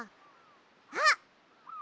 あっ！